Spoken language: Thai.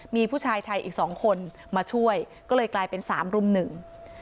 มีผู้ชายไทยอีกสองคนมาช่วยก็เลยกลายเป็นสามรุ่มหนึ่ง